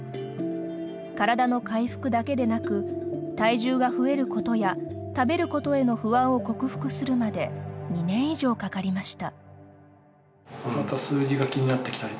体の回復だけでなく体重が増えることや食べることへの不安を克服するまで２年以上かかりました。